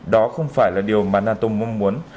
đó không phải là điều mà nato mong muốn